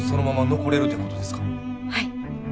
はい。